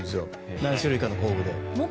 何種類かの工具で。